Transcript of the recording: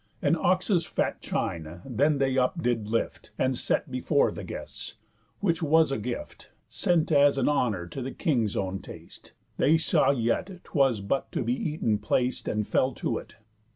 An ox's fat chine then they up did lift, And set before the guests; which was a gift, Sent as an honour to the king's own taste. They saw yet 'twas but to be eaten plac'd, And fell to it.